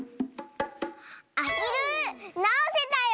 アヒルなおせたよ！